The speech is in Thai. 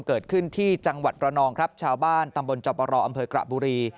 เกิดขึ้นที่จังหวัดระนองครับชาวบ้านตำบลจอบรออำเภอกระบุรี